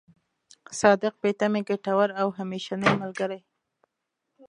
صادق، بې تمې، ګټور او همېشنۍ ملګری.